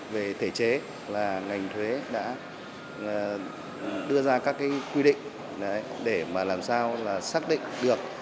về thể chế ngành thuế đã đưa ra các quy định để làm sao xác định được